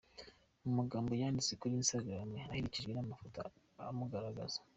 Mu magambo yanditse kuri Instagram aherekejwe n’amafoto amugaragza